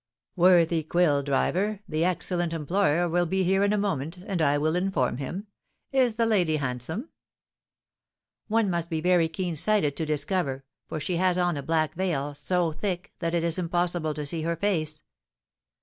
"Worthy quill driver, the excellent employer will be here in a moment, and I will inform him. Is the lady handsome?" "One must be very keen sighted to discover; for she has on a black veil, so thick that it is impossible to see her face."